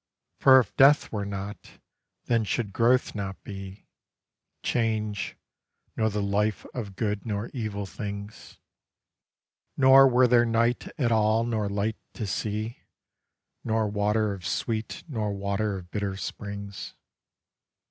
For if death were not, then should growth not be, Change, nor the life of good nor evil things; Nor were there night at all nor light to see, Nor water of sweet nor water of bitter springs.